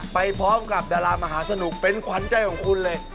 ไปพร้อมกับดารามหาสนุกเป็นขวัญใจของคุณเลย